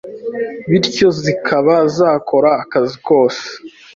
bityo zikaba zakora akazi kazo